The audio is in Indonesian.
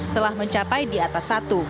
telah mencapai di atas satu